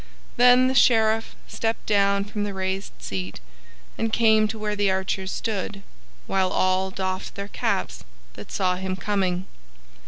Then the Sheriff stepped down from the raised seat and came to where the archers stood, while all doffed their caps that saw him coming.